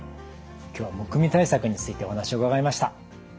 今日はむくみ対策についてお話を伺いました。